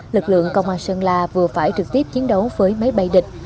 lực lượng công an sơn la vừa phải trực tiếp chiến đấu với máy bay địch